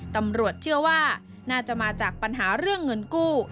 ตำรวจเชื่อว่าน่าจะมาจากปัญหาเรื่องเงินกู้